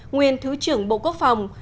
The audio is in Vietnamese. nguyên thứ trưởng bộ quốc phòng